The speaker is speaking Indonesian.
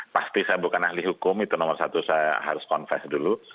pasti saya bukan ahli hukum itu nomor satu saya harus konfest dulu